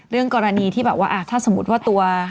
เรื่องกรณีถ้าสมมติว่าตัว